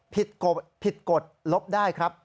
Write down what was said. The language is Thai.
ผิดกฎลบได้ครับ